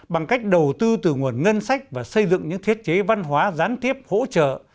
bằng cách đầu tư từ nguồn ngân sách và xây dựng những thiết chế văn hóa gián tiếp hỗ trợ